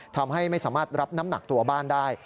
ทำให้ไม่สามารถรับน้ำหนักตัวบ้านได้